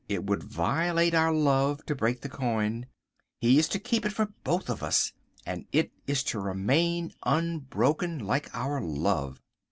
It would violate our love to break the coin. He is to keep it for both of us, and it is to remain unbroken like our love.